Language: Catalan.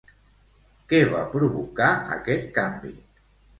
Què va provocar aquest canvi?